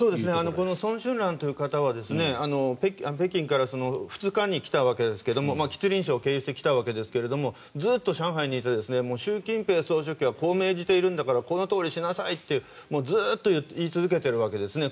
このソン・シュンランという方は北京から２日に来たわけですが吉林省を経由してきたわけですがずっと上海にいて習近平国家主席はこう命じているんだからこうしなさいと、ずっと言い続けているわけですね。